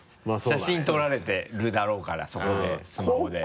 写真撮られてるだろうからそこでスマホで。